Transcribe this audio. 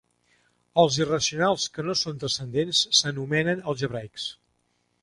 Els irracionals que no són transcendents s'anomenen algebraics.